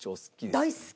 大好き！